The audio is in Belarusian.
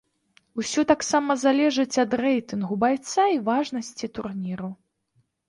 Усё таксама залежыць ад рэйтынгу байца і важнасці турніру.